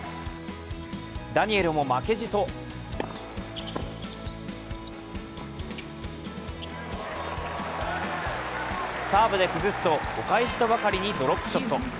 ダニエルも負けじとサーブで崩すと、お返しとばかりにドロップショット。